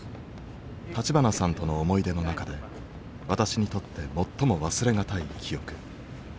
立花さんとの思い出の中で私にとって最も忘れ難い記憶。